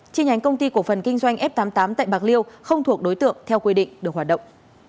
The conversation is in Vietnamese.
chi nhánh công ty cổ phần kinh doanh f tám mươi tám tại bạc liêu không thuộc đối tượng theo quy định được hoạt động